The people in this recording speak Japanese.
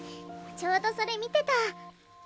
ちょうどそれ見てた。